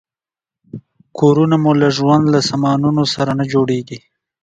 کورونه مو له ژوند له سامانونو سره نه جوړیږي.